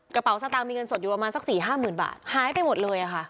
กระเป๋าสตางค์มีเงินสดอยู่ประมาณสัก๔๕๐๐๐บาทหายไปหมดเลยค่ะ